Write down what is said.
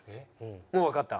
もうわかった？